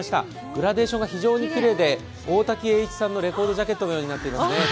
グラデーションが非常にきれいで大滝詠一さんのレコードジャケットのようになっています。